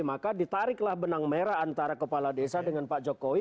maka ditariklah benang merah antara kepala desa dengan pak jokowi